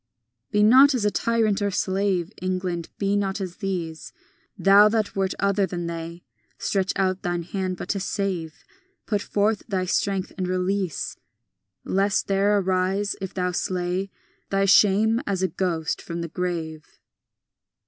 XII Be not as tyrant or slave, England; be not as these, Thou that wert other than they. Stretch out thine hand, but to save; Put forth thy strength, and release; Lest there arise, if thou slay, Thy shame as a ghost from the grave.